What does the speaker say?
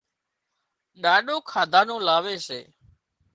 ڏاڏو کاڌا نُون لاوي سي